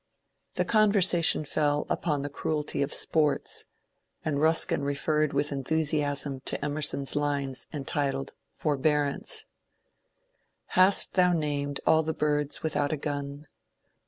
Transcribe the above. The conversation fell upon the cruelty of sports, and Rus kin referred with enthusiasm to Emerson's lines entitled " Forbearance ":— Hast thou named all the birds without a gun